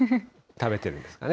食べてるんですかね。